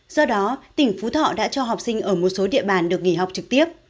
do đó tỉnh phú thọ đã cho học sinh ở một số địa bàn được nghỉ học trực tiếp